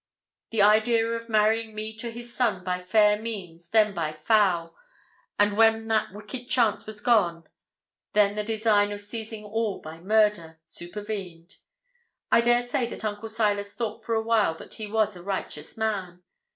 The idea of marrying me to his son by fair means, then by foul, and, when that wicked chance was gone, then the design of seizing all by murder, supervened. I dare say that Uncle Silas thought for a while that he was a righteous man.